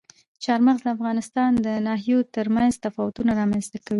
چار مغز د افغانستان د ناحیو ترمنځ تفاوتونه رامنځته کوي.